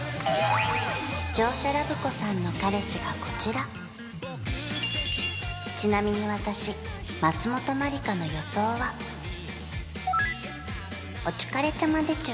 視聴者ラブ子さんの彼氏がこちらちなみに私松本まりかの予想は「おちゅかれちゃまでちゅ」